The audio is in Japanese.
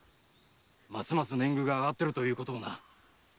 ますます年貢が上がってるということをな。